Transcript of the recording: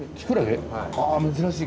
あ珍しい。